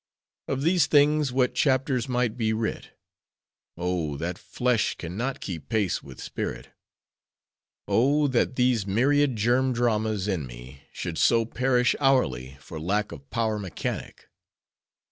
Of these things what chapters might be writ! Oh! that flesh can not keep pace with spirit. Oh! that these myriad germ dramas in me, should so perish hourly, for lack of power mechanic.